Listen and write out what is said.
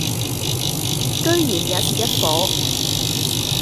居然也是一夥；